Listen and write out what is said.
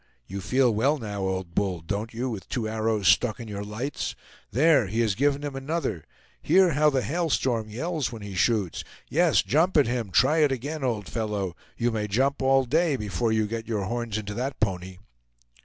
You feel well, now, old bull, don't you, with two arrows stuck in your lights? There, he has given him another! Hear how the Hail Storm yells when he shoots! Yes, jump at him; try it again, old fellow! You may jump all day before you get your horns into that pony!"